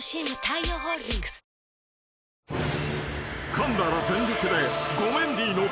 ［かんだら全力で］